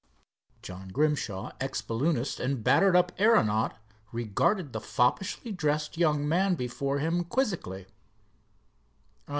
John Grimshaw, ex balloonist and battered up aeronaut, regarded the foppishly dressed young man before him quizzically.